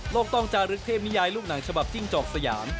ต้องจารึกเทพนิยายลูกหนังฉบับจิ้งจอกสยาม